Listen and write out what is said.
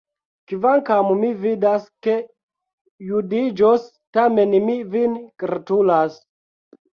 Kvankam mi vidas, ke vi judiĝos, tamen mi vin gratulas.